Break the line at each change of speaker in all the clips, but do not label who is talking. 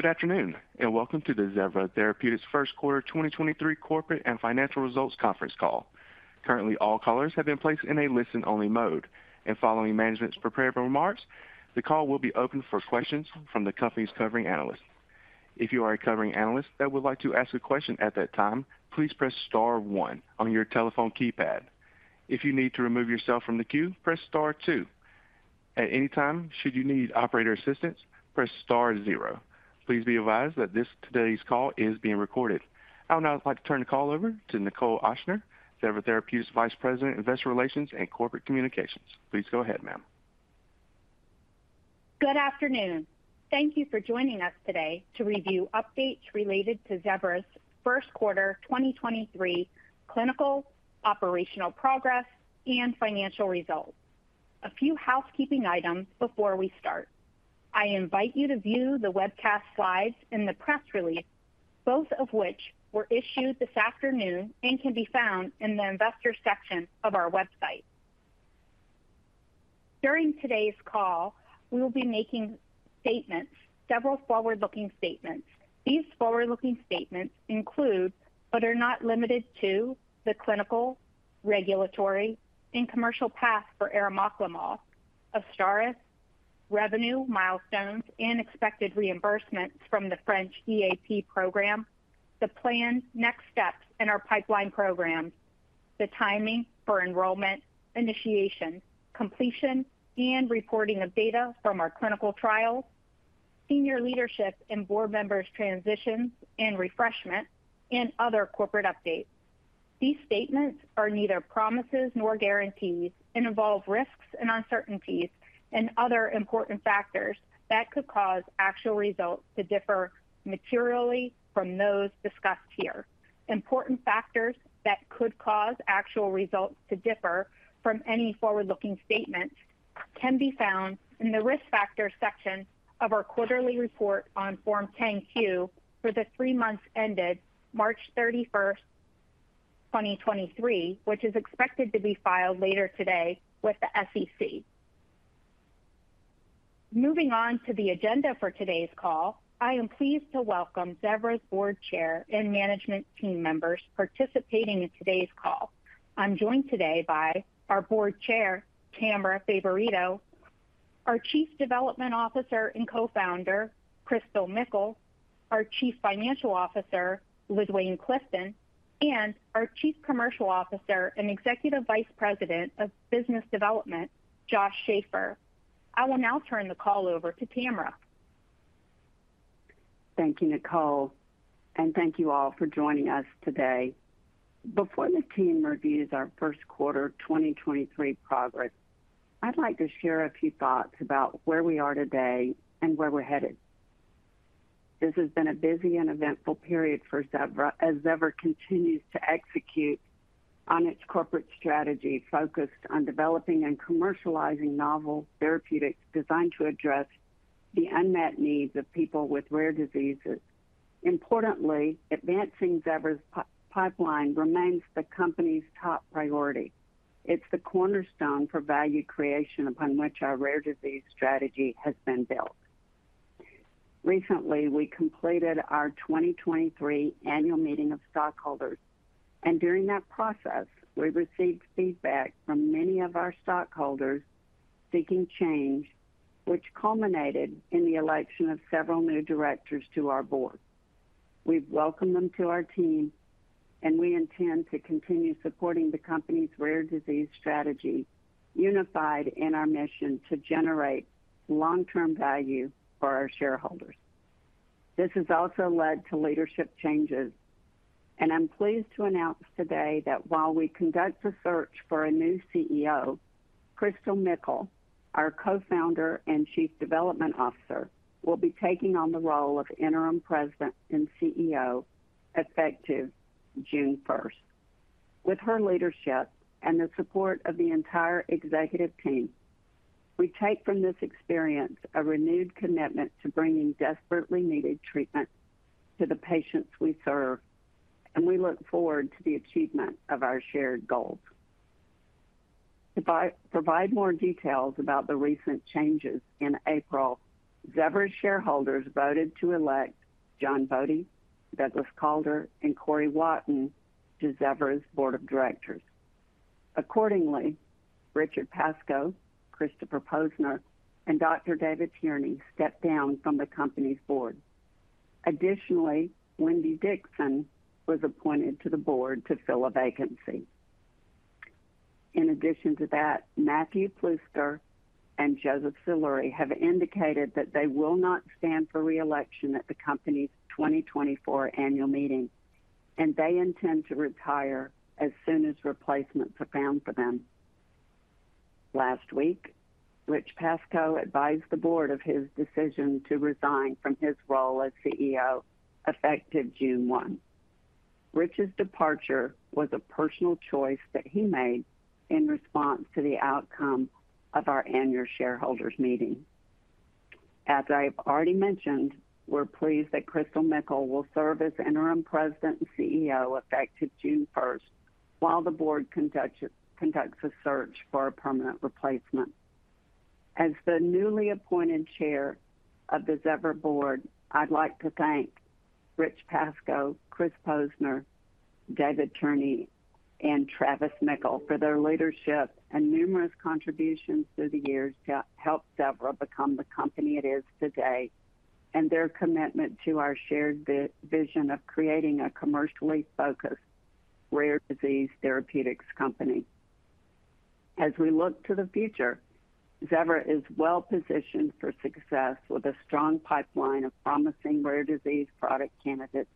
Good afternoon, welcome to the Zevra Therapeutics First Quarter 2023 Corporate and Financial Results Conference Call. Currently, all callers have been placed in a listen-only mode. Following management's prepared remarks, the call will be open for questions from the company's covering analysts. If you are a covering analyst that would like to ask a question at that time, please press star one on your telephone keypad. If you need to remove yourself from the queue, press star two. At any time, should you need operator assistance, press star zero. Please be advised that today's call is being recorded. I would now like to turn the call over to Nichol Ochsner, Zevra Therapeutics Vice President, Investor Relations and Corporate Communications. Please go ahead, ma'am.
Good afternoon. Thank you for joining us today to review updates related to Zevra's first quarter 2023 clinical, operational progress and financial results. A few housekeeping items before we start. I invite you to view the webcast slides in the press release, both of which were issued this afternoon and can be found in the investor section of our website. During today's call, we will be making statements, several forward-looking statements. These forward-looking statements include, but are not limited to, the clinical, regulatory, and commercial path for arimoclomol, AZSTARYS, revenue milestones, and expected reimbursements from the French EAP program, the planned next steps in our pipeline programs, the timing for enrollment, initiation, completion, and reporting of data from our clinical trials, senior leadership and board members' transitions and refreshment, and other corporate updates. These statements are neither promises nor guarantees and involve risks and uncertainties and other important factors that could cause actual results to differ materially from those discussed here. Important factors that could cause actual results to differ from any forward-looking statement can be found in the Risk Factors section of our quarterly report on Form 10-Q for the three months ended March 31st, 2023, which is expected to be filed later today with the SEC. Moving on to the agenda for today's call, I am pleased to welcome Zevra's board chair and management team members participating in today's call. I'm joined today by our Board Chair, Tamara Favorito, our Chief Development Officer and Co-founder, Christal Mickle, our Chief Financial Officer, LaDuane Clifton, and our Chief Commercial Officer and Executive Vice President of Business Development, Josh Schafer. I will now turn the call over to Tamara.
Thank you, Nichol, and thank you all for joining us today. Before the team reviews our first quarter 2023 progress, I'd like to share a few thoughts about where we are today and where we're headed. This has been a busy and eventful period for Zevra as Zevra continues to execute on its corporate strategy focused on developing and commercializing novel therapeutics designed to address the unmet needs of people with rare diseases. Importantly, advancing Zevra's pipeline remains the company's top priority. It's the cornerstone for value creation upon which our rare disease strategy has been built. Recently, we completed our 2023 annual meeting of stockholders, and during that process, we received feedback from many of our stockholders seeking change, which culminated in the election of several new directors to our board. We've welcomed them to our team, and we intend to continue supporting the company's rare disease strategy, unified in our mission to generate long-term value for our shareholders. This has also led to leadership changes, and I'm pleased to announce today that while we conduct a search for a new CEO, Christal Mickle, our Co-founder and Chief Development Officer, will be taking on the role of Interim President and CEO effective June 1st. With her leadership and the support of the entire executive team, we take from this experience a renewed commitment to bringing desperately needed treatment to the patients we serve, and we look forward to the achievement of our shared goals. To provide more details about the recent changes, in April, Zevra's shareholders voted to elect John B. Bode, Douglas W. Calder, and Corey Watton to Zevra's Board of Directors. Accordingly, Richard W. Pascoe, Christopher A. Posner, and Dr. David Tierney stepped down from the company's board. Additionally, Wendy Dixon was appointed to the board to fill a vacancy. In addition to that, Matthew Plooster and Joseph Saluri have indicated that they will not stand for re-election at the company's 2024 annual meeting, and they intend to retire as soon as replacements are found for them. Last week, Rich Pascoe advised the board of his decision to resign from his role as CEO effective June 1. Rich's departure was a personal choice that he made in response to the outcome of our annual shareholders meeting. I've already mentioned, we're pleased that Christal Mickle will serve as Interim President and CEO effective June 1st while the board conducts a search for a permanent replacement. As the newly appointed chair of the Zevra board, I'd like to thank Rich Pascoe, Chris Posner, David Tierney, and Travis Mickle for their leadership and numerous contributions through the years to help Zevra become the company it is today, and their commitment to our shared vision of creating a commercially focused rare disease therapeutics company. We look to the future, Zevra is well-positioned for success with a strong pipeline of promising rare disease product candidates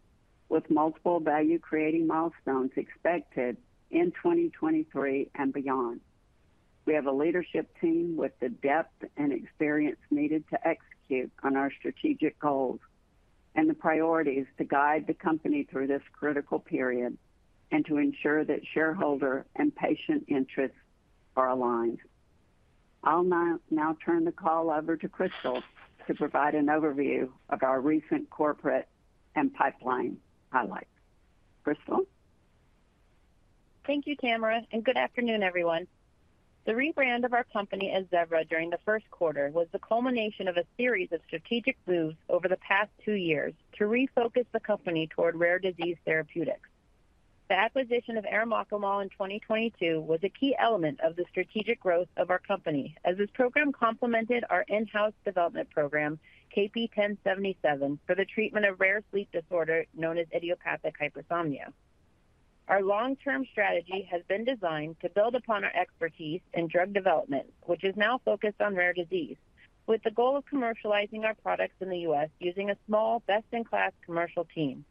with multiple value-creating milestones expected in 2023 and beyond. We have a leadership team with the depth and experience needed to execute on our strategic goals and the priorities to guide the company through this critical period and to ensure that shareholder and patient interests are aligned. I'll now turn the call over to Christal to provide an overview of our recent corporate and pipeline highlights. Christal?
Thank you, Tamara. Good afternoon, everyone. The rebrand of our company as Zevra during the first quarter was the culmination of a series of strategic moves over the past two years to refocus the company toward rare disease therapeutics. The acquisition of arimoclomol in 2022 was a key element of the strategic growth of our company as this program complemented our in-house development program, KP1077, for the treatment of rare sleep disorder known as idiopathic hypersomnia. Our long-term strategy has been designed to build upon our expertise in drug development, which is now focused on rare disease, with the goal of commercializing our products in the U.S. using a small, best-in-class commercial team.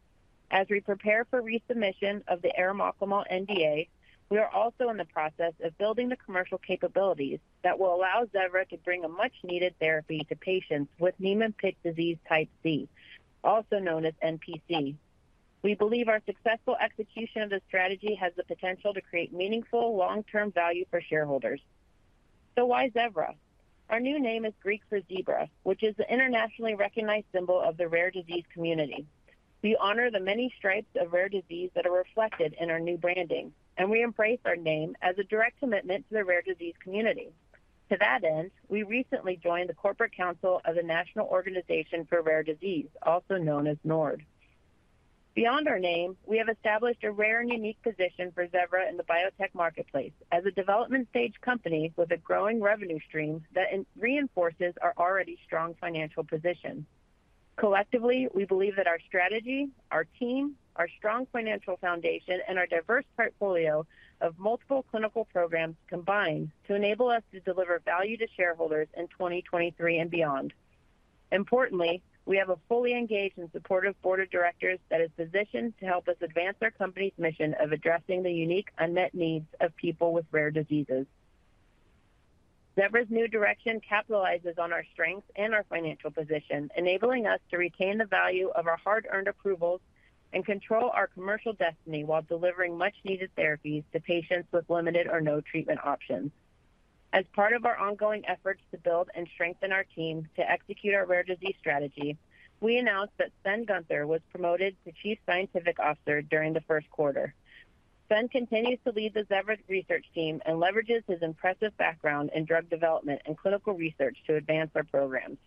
As we prepare for resubmission of the arimoclomol NDA, we are also in the process of building the commercial capabilities that will allow Zevra to bring a much-needed therapy to patients with Niemann-Pick disease type C, also known as NPC. We believe our successful execution of this strategy has the potential to create meaningful long-term value for shareholders. Why Zevra? Our new name is Greek for zebra, which is the internationally recognized symbol of the rare disease community. We honor the many stripes of rare disease that are reflected in our new branding, and we embrace our name as a direct commitment to the rare disease community. To that end, we recently joined the corporate council of the National Organization for Rare Disorders, also known as NORD. Beyond our name, we have established a rare and unique position for Zevra in the biotech marketplace as a development stage company with a growing revenue stream that reinforces our already strong financial position. Collectively, we believe that our strategy, our team, our strong financial foundation, and our diverse portfolio of multiple clinical programs combine to enable us to deliver value to shareholders in 2023 and beyond. Importantly, we have a fully engaged and supportive board of directors that is positioned to help us advance our company's mission of addressing the unique unmet needs of people with rare diseases. Zevra's new direction capitalizes on our strengths and our financial position, enabling us to retain the value of our hard-earned approvals and control our commercial destiny while delivering much-needed therapies to patients with limited or no treatment options. As part of our ongoing efforts to build and strengthen our team to execute our rare disease strategy, we announced that Sven Guenther was promoted to Chief Scientific Officer during the first quarter. Sven continues to lead the Zevra research team and leverages his impressive background in drug development and clinical research to advance our programs.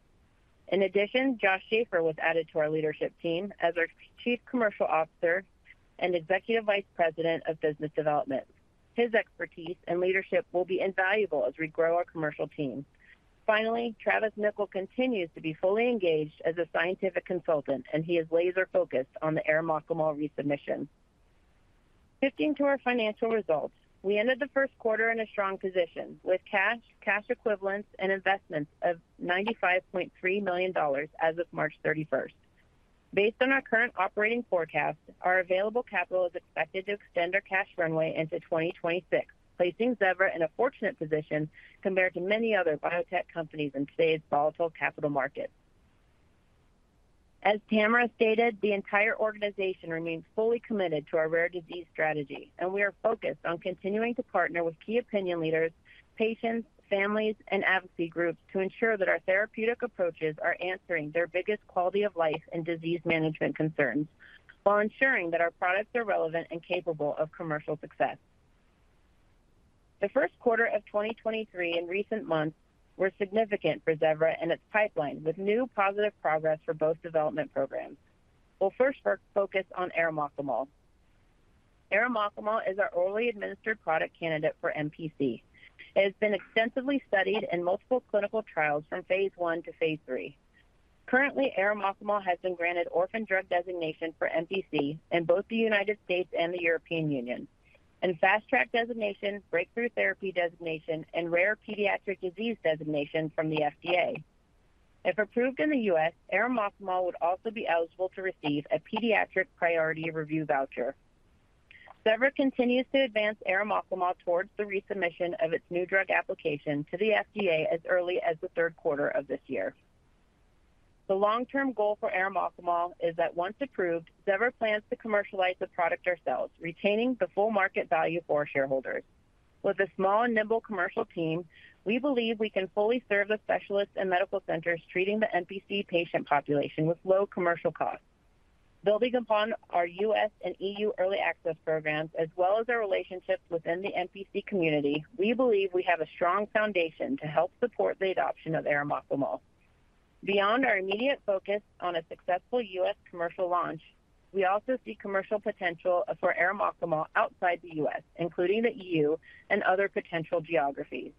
Joshua Schafer was added to our leadership team as our Chief Commercial Officer and Executive Vice President of Business Development. His expertise and leadership will be invaluable as we grow our commercial team. Travis Mickle continues to be fully engaged as a scientific consultant, and he is laser-focused on the arimoclomol resubmission. Shifting to our financial results, we ended the first quarter in a strong position with cash equivalents, and investments of $95.3 million as of March 31st. Based on our current operating forecast, our available capital is expected to extend our cash runway into 2026, placing Zevra in a fortunate position compared to many other biotech companies in today's volatile capital market. As Tamara stated, the entire organization remains fully committed to our rare disease strategy, and we are focused on continuing to partner with key opinion leaders, patients, families, and advocacy groups to ensure that our therapeutic approaches are answering their biggest quality of life and disease management concerns while ensuring that our products are relevant and capable of commercial success. The first quarter of 2023 in recent months were significant for Zevra and its pipeline with new positive progress for both development programs. We'll first focus on arimoclomol. arimoclomol is our orally administered product candidate for NPC. It has been extensively studied in multiple clinical trials from phase I to phase III. Currently, Arimoclomol has been granted orphan drug designation for NPC in both the United States and the European Union, fast track designation, Breakthrough Therapy designation, and Rare Pediatric Disease designation from the FDA. If approved in the U.S., arimoclomol would also be eligible to receive a pediatric priority review voucher. Zevra continues to advance arimoclomol towards the resubmission of its new drug application to the FDA as early as the third quarter of this year. The long-term goal for arimoclomol is that once approved, Zevra plans to commercialize the product ourselves, retaining the full market value for shareholders. With a small and nimble commercial team, we believe we can fully serve the specialists and medical centers treating the NPC patient population with low commercial costs. Building upon our U.S. and EU early access programs, as well as our relationships within the NPC community, we believe we have a strong foundation to help support the adoption of arimoclomol. Beyond our immediate focus on a successful U.S. commercial launch, we also see commercial potential for arimoclomol outside the U.S., including the EU and other potential geographies.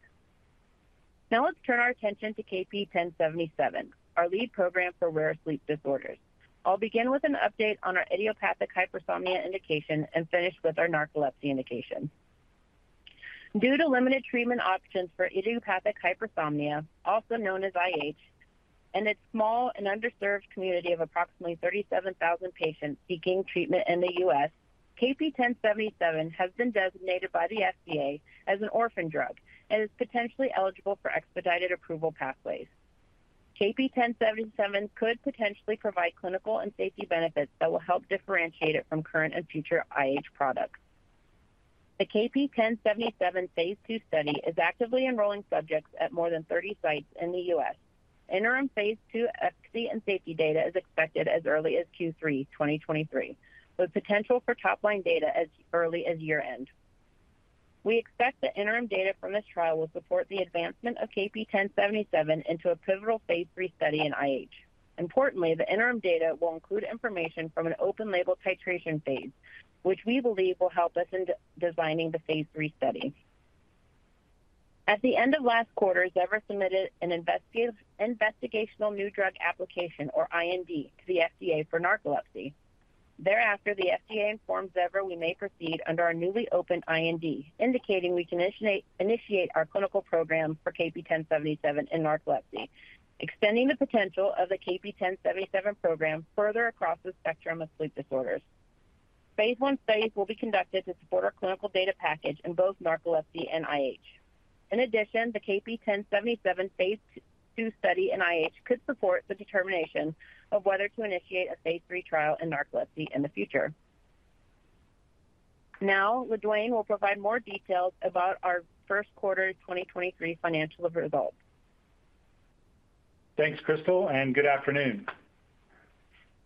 Let's turn our attention to KP1077, our lead program for rare sleep disorders. I'll begin with an update on our idiopathic hypersomnia indication and finish with our narcolepsy indication. Due to limited treatment options for idiopathic hypersomnia, also known as IH, and its small and underserved community of approximately 37,000 patients seeking treatment in the U.S., KP1077 has been designated by the FDA as an orphan drug and is potentially eligible for expedited approval pathways. KP1077 could potentially provide clinical and safety benefits that will help differentiate it from current and future IH products. The KP1077 phase II study is actively enrolling subjects at more than 30 sites in the U.S. Interim phase II efficacy and safety data is expected as early as Q3 2023, with potential for top line data as early as year-end. We expect the interim data from this trial will support the advancement of KP1077 into a pivotal phase III study in IH. Importantly, the interim data will include information from an open label titration phase, which we believe will help us in de-designing the phase III study. At the end of last quarter, Zevra submitted an investigational new drug application, or IND, to the FDA for narcolepsy. Thereafter, the FDA informs Zevra we may proceed under our newly opened IND, indicating we can initiate our clinical program for KP1077 in narcolepsy, extending the potential of the KP1077 program further across the spectrum of sleep disorders. phase I studies will be conducted to support our clinical data package in both narcolepsy and IH. In addition, the KP1077 phase II study in IH could support the determination of whether to initiate a phase III trial in narcolepsy in the future. LaDuane Clifton will provide more details about our first quarter 2023 financial results.
Thanks, Christal. Good afternoon.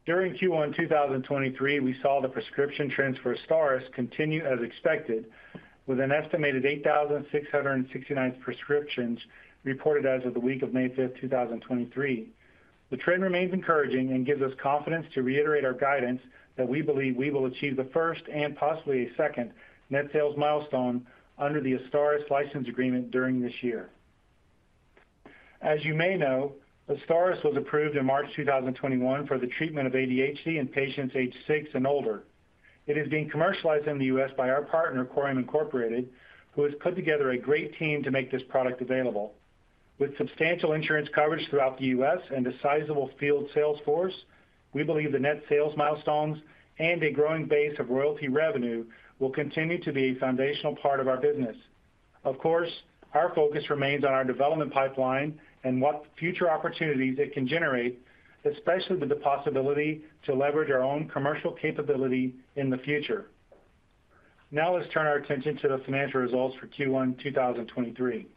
During Q1 2023, we saw the prescription trends for AZSTARYS continue as expected with an estimated 8,669 prescriptions reported as of the week of May 5, 2023. The trend remains encouraging and gives us confidence to reiterate our guidance that we believe we will achieve the first and possibly a second net sales milestone under the AZSTARYS license agreement during this year. As you may know, AZSTARYS was approved in March 2021 for the treatment of ADHD in patients aged six and older. It is being commercialized in the U.S. by our partner, Corium, Inc., who has put together a great team to make this product available. With substantial insurance coverage throughout the U.S. and a sizable field sales force, we believe the net sales milestones and a growing base of royalty revenue will continue to be a foundational part of our business. Of course, our focus remains on our development pipeline and what future opportunities it can generate, especially with the possibility to leverage our own commercial capability in the future. Let's turn our attention to the financial results for Q1 2023.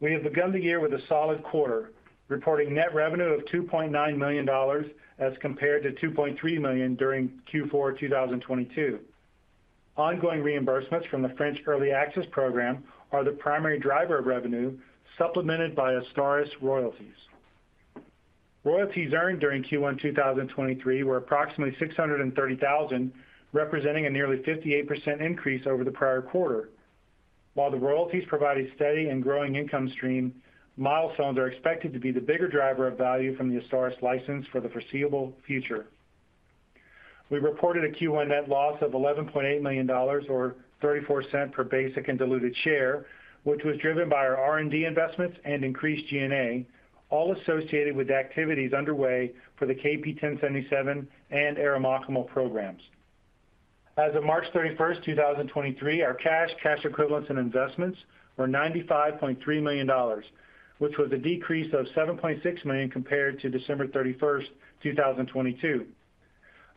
We have begun the year with a solid quarter, reporting net revenue of $2.9 million as compared to $2.3 million during Q4 2022. Ongoing reimbursements from the French Early Access Program are the primary driver of revenue, supplemented by AZSTARYS royalties. Royalties earned during Q1 2023 were approximately $630,000, representing a nearly 58% increase over the prior quarter. While the royalties provide a steady and growing income stream, milestones are expected to be the bigger driver of value from the AZSTARYS license for the foreseeable future. We reported a Q1 net loss of $11.8 million or $0.34 per basic and diluted share, which was driven by our R&D investments and increased G&A, all associated with the activities underway for the KP1077 and arimoclomol programs. As of March 31, 2023, our cash equivalents and investments were $95.3 million, which was a decrease of $7.6 million compared to December 31, 2022.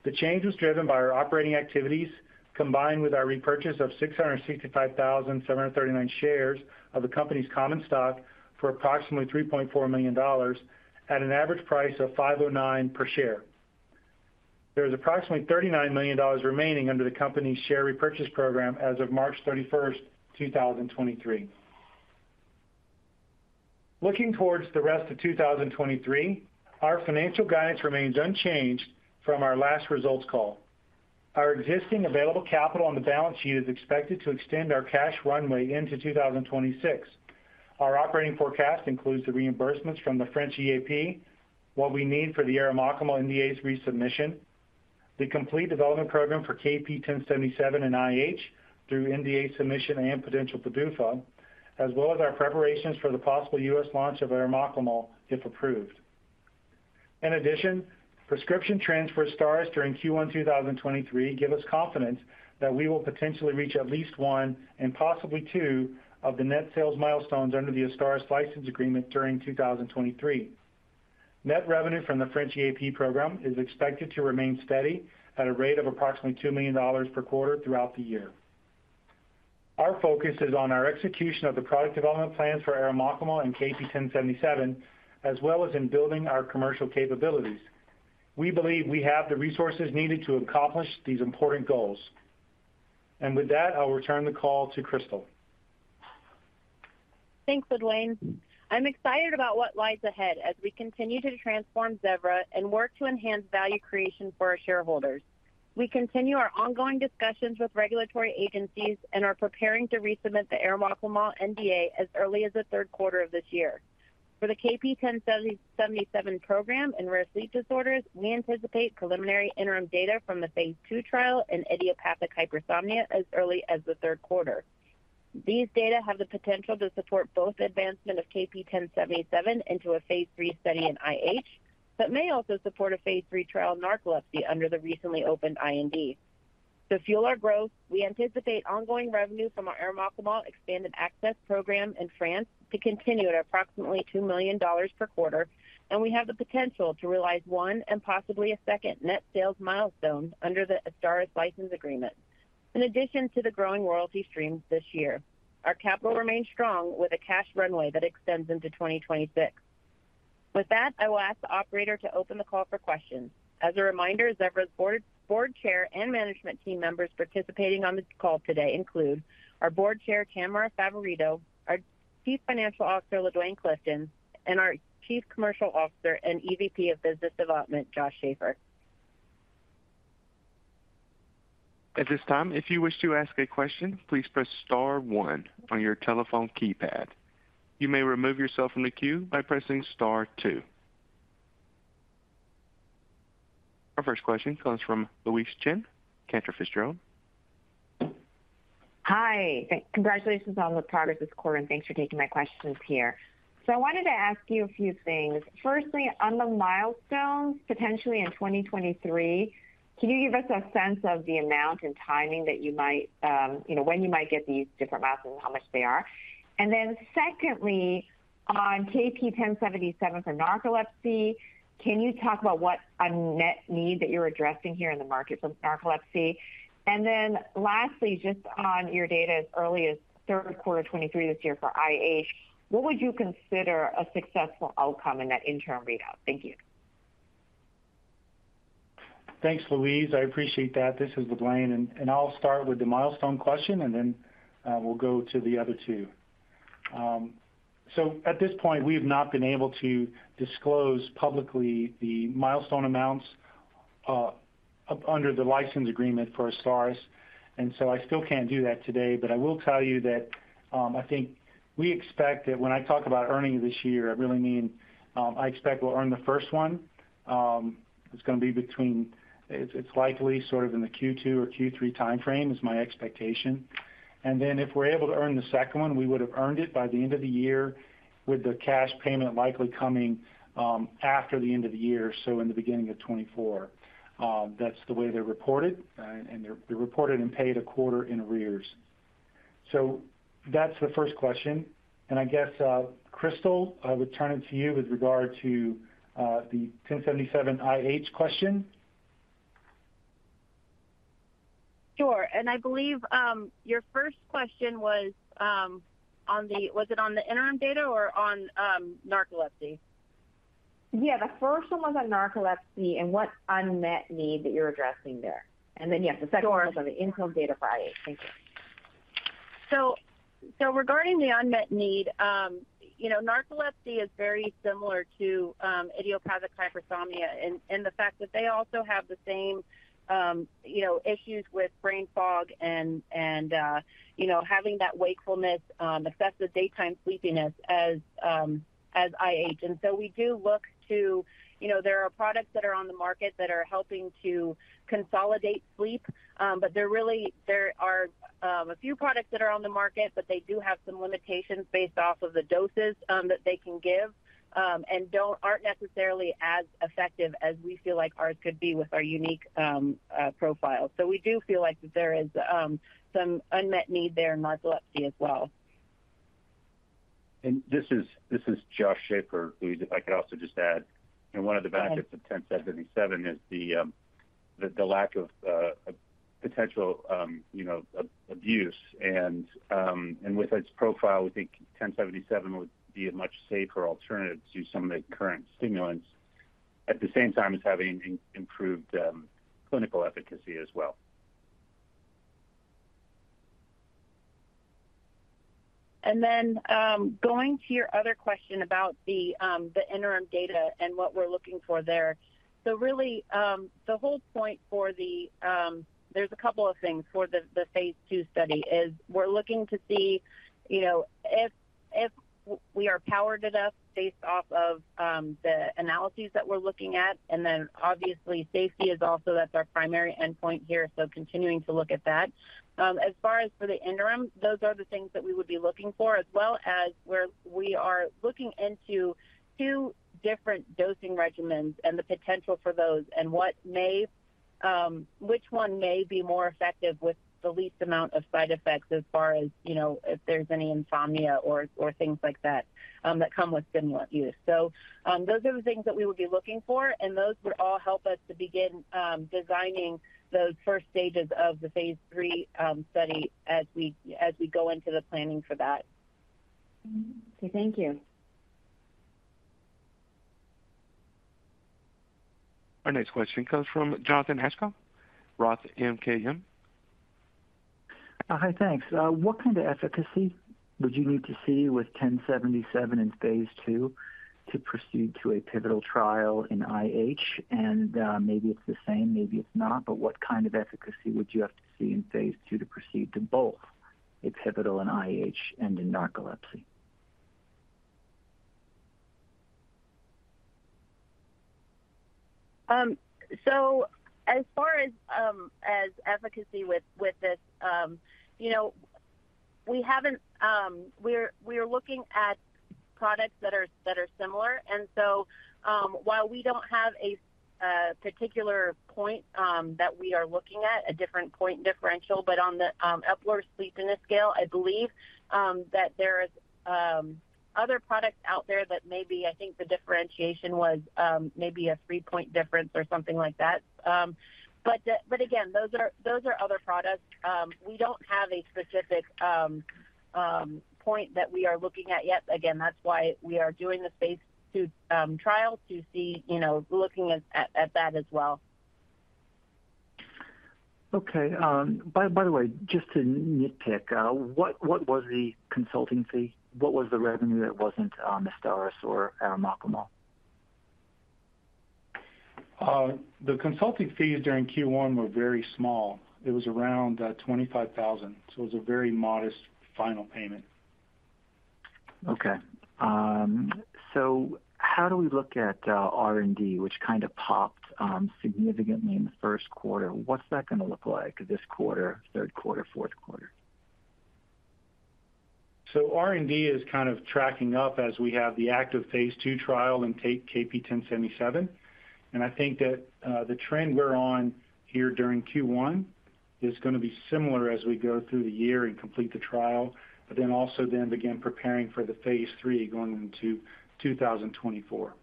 The change was driven by our operating activities combined with our repurchase of 665,739 shares of the company's common stock for approximately $3.4 million at an average price of $5.09 per share. There is approximately $39 million remaining under the company's share repurchase program as of March 31, 2023. Looking towards the rest of 2023, our financial guidance remains unchanged from our last results call. Our existing available capital on the balance sheet is expected to extend our cash runway into 2026. Our operating forecast includes the reimbursements from the French EAP, what we need for the arimoclomol NDA resubmission, the complete development program for KP1077 and IH through NDA submission and potential PDUFA, as well as our preparations for the possible U.S. launch of arimoclomol, if approved. In addition, prescription trends for AZSTARYS during Q1 2023 give us confidence that we will potentially reach at least one and possibly two of the net sales milestones under the AZSTARYS license agreement during 2023. Net revenue from the French EAP program is expected to remain steady at a rate of approximately $2 million per quarter throughout the year. Our focus is on our execution of the product development plans for arimoclomol and KP1077, as well as in building our commercial capabilities. We believe we have the resources needed to accomplish these important goals. With that, I'll return the call to Christal.
Thanks, LaDuane. I'm excited about what lies ahead as we continue to transform Zevra and work to enhance value creation for our shareholders. We continue our ongoing discussions with regulatory agencies and are preparing to resubmit the arimoclomol NDA as early as the third quarter of this year. For the KP1077 program in rare sleep disorders, we anticipate preliminary interim data from the phase II trial in idiopathic hypersomnia as early as the third quarter. These data have the potential to support both advancement of KP1077 into a phase III study in IH, but may also support a phase III trial in narcolepsy under the recently opened IND. To fuel our growth, we anticipate ongoing revenue from our arimoclomol expanded access program in France to continue at approximately $2 million per quarter, and we have the potential to realize one and possibly a second net sales milestone under the AZSTARYS license agreement. In addition to the growing royalty streams this year, our capital remains strong with a cash runway that extends into 2026. With that, I will ask the operator to open the call for questions. As a reminder, Zevra's board, Board Chair and management team members participating on this call today include our Board Chair, Tamara Favorito, our Chief Financial Officer, LaDuane Clifton, and our Chief Commercial Officer and EVP of Business Development, Josh Schafer.
At this time, if you wish to ask a question, please press star one on your telephone keypad. You may remove yourself from the queue by pressing star two. Our first question comes from Louise Chen, Cantor Fitzgerald.
Hi. Congratulations on the progress this quarter, and thanks for taking my questions here. I wanted to ask you a few things. Firstly, on the milestones, potentially in 2023, can you give us a sense of the amount and timing that you might, you know, when you might get these different milestones and how much they are? Secondly, on KP1077 for narcolepsy, can you talk about what unmet need that you're addressing here in the market for narcolepsy? Lastly, just on your data as early as 3rd quarter 23 this year for IH, what would you consider a successful outcome in that interim readout? Thank you.
Thanks, Louise Chen. I appreciate that. This is LaDuane Clifton, and I'll start with the milestone question and then we'll go to the other two. At this point we have not been able to disclose publicly the milestone amounts under the license agreement for AZSTARYS. I still can't do that today. I will tell you that, I think we expect that when I talk about earning this year, I really mean, I expect we'll earn the first one. It's likely sort of in the Q2 or Q3 time frame is my expectation. If we're able to earn the second one, we would've earned it by the end of the year with the cash payment likely coming after the end of the year, so in the beginning of 2024. That's the way they're reported, and they're reported and paid a quarter in arrears. That's the first question. I guess, Christal, I would turn it to you with regard to, the 1077 IH question.
Sure. I believe your first question was it on the interim data or on narcolepsy?
Yeah, the first one was on narcolepsy and what unmet need that you're addressing there. yes, the second-
Sure
was on the interim data for IH. Thank you.
Regarding the unmet need, you know, narcolepsy is very similar to idiopathic hypersomnia in the fact that they also have the same, you know, issues with brain fog and, you know, having that wakefulness, excessive daytime sleepiness as IH. We do look to, you know, there are products that are on the market that are helping to consolidate sleep, but there really are a few products that are on the market, but they do have some limitations based off of the doses that they can give and aren't necessarily as effective as we feel like ours could be with our unique profile. We do feel like that there is some unmet need there in narcolepsy as well.
this is Josh Schafer. Louise Chen, if I could also just add, you know, one of the benefits.
Okay...
of KP1077 is the lack of potential, you know, abuse. With its profile, we think KP1077 would be a much safer alternative to some of the current stimulants at the same time as having improved clinical efficacy as well.
Going to your other question about the interim data and what we're looking for there. Really, the whole point for the, there's a couple of things for the phase II study is we're looking to see, you know, if we are powered enough based off of the analyses that we're looking at. Obviously safety is also, that's our primary endpoint here, so continuing to look at that. As far as for the interim, those are the things that we would be looking for, as well as where we are looking into two different dosing regimens and the potential for those and what may, which one may be more effective with the least amount of side effects as far as, you know, if there's any insomnia or things like that come with stimulant use. Those are the things that we would be looking for and those would all help us to begin, designing those first stages of the phase III study as we go into the planning for that.
Mm-hmm. Okay. Thank you.
Our next question comes from Jonathan Aschoff, Roth MKM.
Hi. Thanks. What kind of efficacy would you need to see with KP1077 in phase II to proceed to a pivotal trial in IH? Maybe it's the same, maybe it's not, but what kind of efficacy would you have to see in phase II to proceed to both a pivotal in IH and in narcolepsy?
As far as efficacy with this, you know, we haven't, we're looking at products that are similar. While we don't have a particular point, that we are looking at, a different point differential, but on the Epworth Sleepiness Scale, I believe, that there's other products out there that maybe I think the differentiation was maybe a three-point difference or something like that. Again, those are other products. We don't have a specific point that we are looking at yet. That's why we are doing this phase II trial to see, you know, looking at that as well.
By the way, just to nitpick, what was the consulting fee? What was the revenue that wasn't AZSTARYS or arimoclomol?
The consulting fees during Q1 were very small. It was around $25,000, so it was a very modest final payment.
How do we look at R&D, which kind of popped significantly in the first quarter? What's that gonna look like this quarter, third quarter, fourth quarter?
R&D is kind of tracking up as we have the active phase II trial in KP1077. I think that the trend we're on here during Q1 is gonna be similar as we go through the year and complete the trial, but then also then begin preparing for the phase III going into 2024.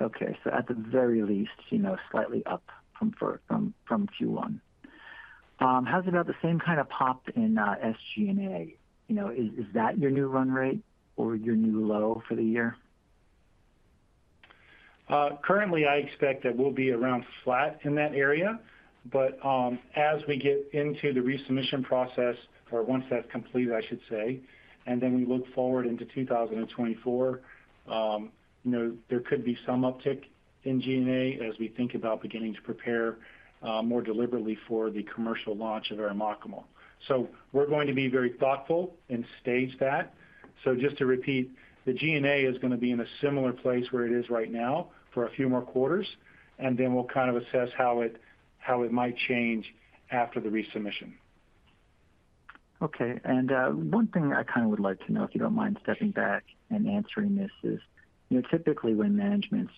Okay. At the very least, you know, slightly up from Q1. How's about the same kind of pop in SG&A? You know, is that your new run rate or your new low for the year?
Currently, I expect that we'll be around flat in that area. As we get into the resubmission process, or once that's complete, I should say, you know, there could be some uptick in G&A as we think about beginning to prepare more deliberately for the commercial launch of arimoclomol. We're going to be very thoughtful and stage that. Just to repeat, the G&A is gonna be in a similar place where it is right now for a few more quarters, and then we'll kind of assess how it might change after the resubmission.
Okay. one thing I kinda would like to know, if you don't mind stepping back and answering this, is, you know, typically, when managements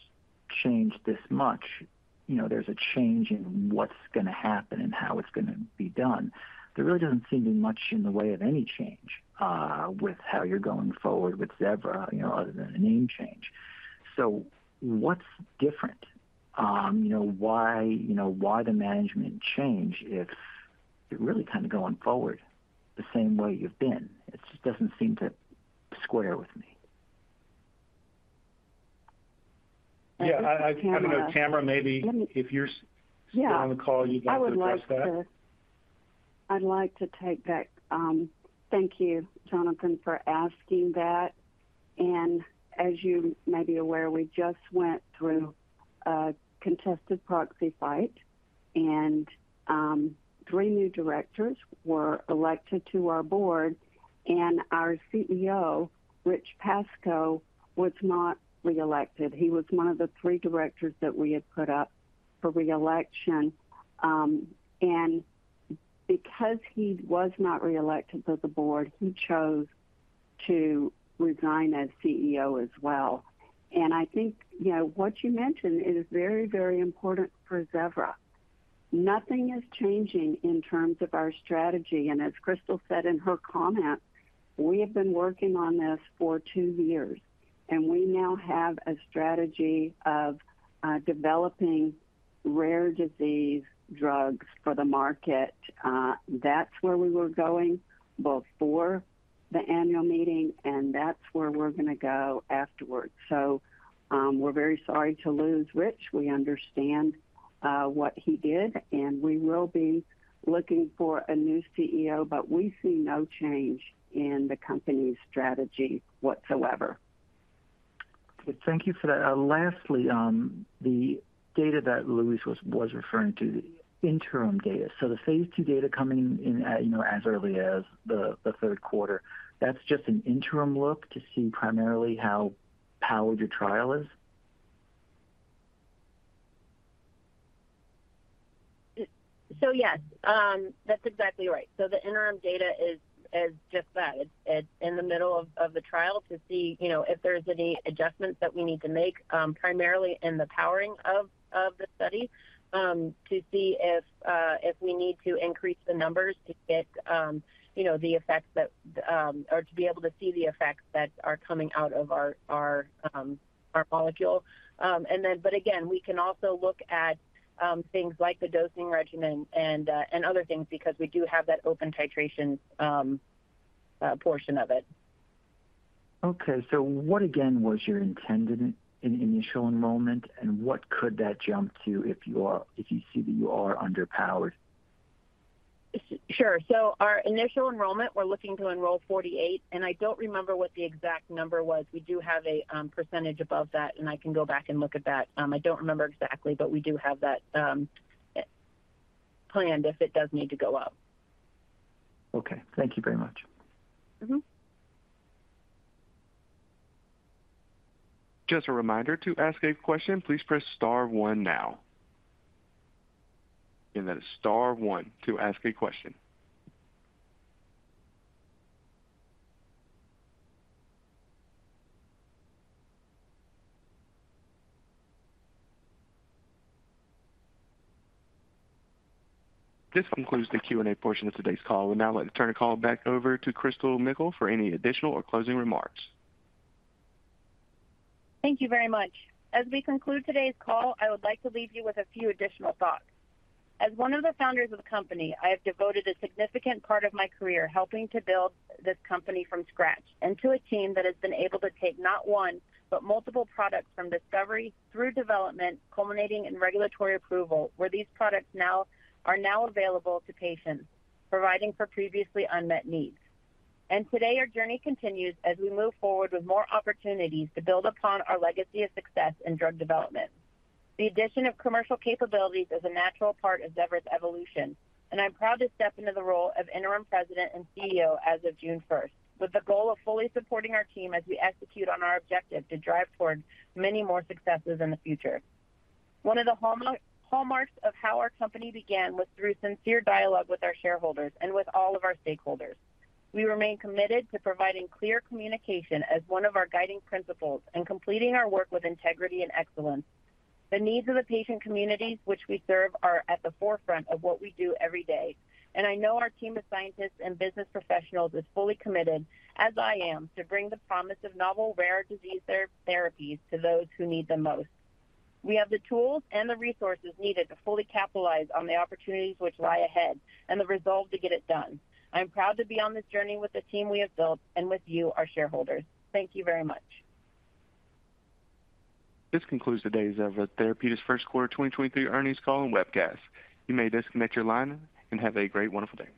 change this much, you know, there's a change in what's gonna happen and how it's gonna be done. There really doesn't seem to be much in the way of any change with how you're going forward with Zevra, you know, other than a name change. what's different? you know, why, you know, why the management change if you're really kind of going forward the same way you've been? It just doesn't seem to square with me.
Yeah. Having a Tamara, maybe-
Let me-
If you're s-
Yeah.
still on the call, you'd like to address that.
I'd like to take that. Thank you, Jonathan, for asking that. As you may be aware, we just went through a contested proxy fight, and three new directors were elected to our board, and our CEO, Rich Pascoe, was not reelected. He was one of the three directors that we had put up for reelection. Because he was not reelected to the board, he chose to resign as CEO as well. I think, you know, what you mentioned is very, very important for Zevra. Nothing is changing in terms of our strategy. As Christal said in her comment, we have been working on this for two years, and we now have a strategy of developing rare disease drugs for the market. That's where we were going before the annual meeting, and that's where we're gonna go afterwards. We're very sorry to lose Rich. We understand what he did, and we will be looking for a new CEO, but we see no change in the company's strategy whatsoever.
Thank you for that. Lastly, the data that Louise was referring to, the interim data. The phase II data coming in, you know, as early as the third quarter, that's just an interim look to see primarily how powered your trial is?
Yes. That's exactly right. The interim data is just that. It's in the middle of the trial to see, you know, if there's any adjustments that we need to make, primarily in the powering of the study, to see if we need to increase the numbers to get, you know, the effects that, or to be able to see the effects that are coming out of our molecule. But again, we can also look at, things like the dosing regimen and other things because we do have that open titration.
portion of it.
What again was your intended initial enrollment, and what could that jump to if you see that you are underpowered?
Sure. Our initial enrollment, we're looking to enroll 48, and I don't remember what the exact number was. We do have a percentage above that, and I can go back and look at that. I don't remember exactly, but we do have that planned if it does need to go up.
Okay. Thank you very much.
Mm-hmm.
Just a reminder, to ask a question, please press star one now. Again, that is star one to ask a question. This concludes the Q&A portion of today's call. We'd now like to turn the call back over to Christal Mickle for any additional or closing remarks.
Thank you very much. As we conclude today's call, I would like to leave you with a few additional thoughts. As one of the founders of the company, I have devoted a significant part of my career helping to build this company from scratch into a team that has been able to take not one, but multiple products from discovery through development, culminating in regulatory approval, where these products are now available to patients, providing for previously unmet needs. Today, our journey continues as we move forward with more opportunities to build upon our legacy of success in drug development. The addition of commercial capabilities is a natural part of Zevra's evolution, I'm proud to step into the role of interim President and CEO as of June first, with the goal of fully supporting our team as we execute on our objective to drive toward many more successes in the future. One of the hallmarks of how our company began was through sincere dialogue with our shareholders and with all of our stakeholders. We remain committed to providing clear communication as one of our guiding principles and completing our work with integrity and excellence. The needs of the patient communities which we serve are at the forefront of what we do every day, I know our team of scientists and business professionals is fully committed, as I am, to bring the promise of novel rare disease therapies to those who need them most. We have the tools and the resources needed to fully capitalize on the opportunities which lie ahead and the resolve to get it done. I'm proud to be on this journey with the team we have built and with you, our shareholders. Thank you very much.
This concludes today's Zevra Therapeutics first quarter 2023 earnings call and webcast. You may disconnect your line, and have a great, wonderful day.